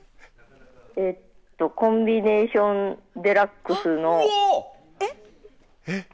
えっとコンビネーションデラックスの。